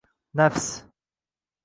“Nafs”